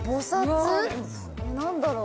何だろう？